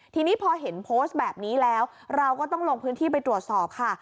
ทีนี้พอเห็นโพสต์แบบนี้แล้วเราก็ต้องลงพื้นที่ไปตรวจสอบค่ะ